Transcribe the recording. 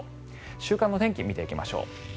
週間の天気を見ていきましょう。